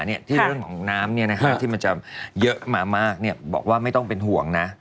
ที่เรื่องของน้ำที่มันจะเยอะมามากบอกว่าไม่ต้องเป็นห่วงนะ